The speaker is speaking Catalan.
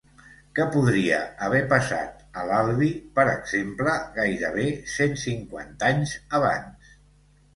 Què podria haver passat a l'Albi, per exemple, gairebé cent cinquanta anys abans?